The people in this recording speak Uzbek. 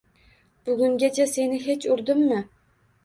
Bugungacha seni hech urdimmi?